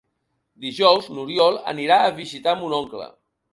Dijous n'Oriol anirà a visitar mon oncle.